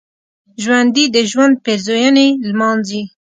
ژوندي د ژوند پېرزوینې لمانځي